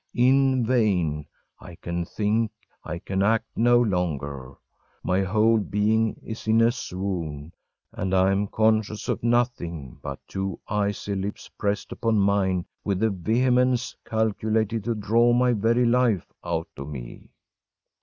In vain! I can think, I can act, no longer. My whole being is in a swoon, and I am conscious of nothing but two icy lips pressed upon mine with a vehemence calculated to draw my very life out of me.